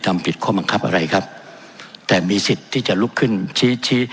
ทำผิดข้อบังคับอะไรครับแต่มีสิทธิ์ที่จะลุกขึ้นชี้ชี้